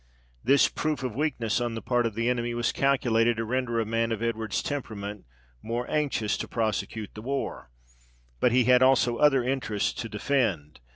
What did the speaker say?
This proof of weakness on the part of the enemy was calculated to render a man of Edward's temperament more anxious to prosecute the war; but he had also other interests to defend.